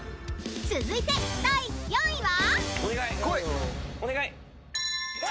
［続いて第４位は？］